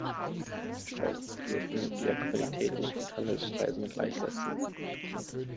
Auch dürfen wir Qualität nicht mit Handelspreisen gleichsetzen.